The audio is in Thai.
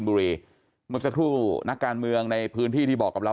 เมื่อสักครู่นักการเมืองในพื้นที่ที่บอกกับเรา